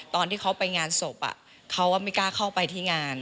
ตอนที่เขาไปงานศพเขาก็ไม่กล้าเข้าไปที่งาน